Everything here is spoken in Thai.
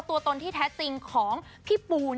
ตัวตนที่แท้จริงของหัวพี่ปู